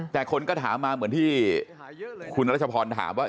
แต่คนก็ถามมาเหมือนที่คุณรัชพรถามว่า